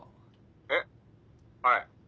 えっはい。